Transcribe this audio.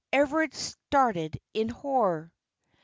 Everard started in horror.